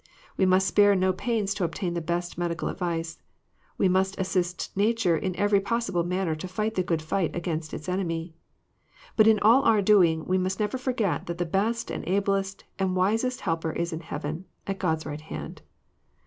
We must spare no pains to obtain the best medical advice. We must assist nature in every possible manner to fight a good fight against its enemy. But in all our doing, we must never forget that the best and ablest and wisest Helper is in heaven, at God's right hand.